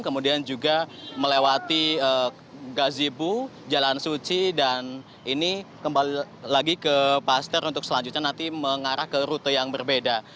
kemudian juga melewati gazibu jalan suci dan ini kembali lagi ke paster untuk selanjutnya nanti mengarah ke rute yang berbeda